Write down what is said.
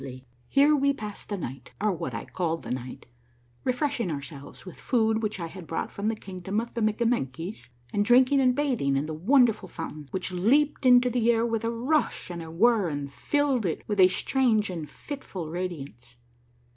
90 A MARVELLOUS UNDERGROUND JOURNEY Here we passed the night, or what I called the night, refresh ing ourselves with food which I had brought from the Kingdom of the Mikkamenkies, and drinking and bathing in the wonder ful fountain which leaped into the air with a rush and a whir, and filled it with a strange and fitful radiance.